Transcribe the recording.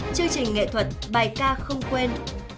chương trình nghệ thuật bài ca không quên